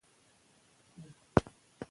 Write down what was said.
د ښځې موافقه د خلع لپاره ضروري ده.